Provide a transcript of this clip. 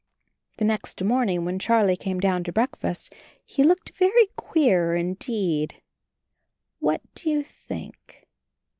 The next morning when Charlie came down to breakfast he looked very queer in deed. What do you think?